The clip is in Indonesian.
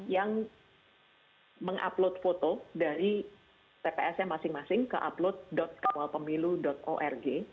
yang meng upload foto dari tps nya masing masing ke upload kawalpemilu org